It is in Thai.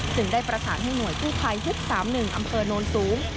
จึงได้ประสานให้หน่วยกู้ภัยยุค๓๑อำเภอโนนสูง